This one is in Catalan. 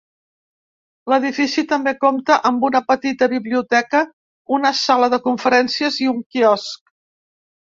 L'edifici també compta amb una petita biblioteca, una sala de conferències i un quiosc.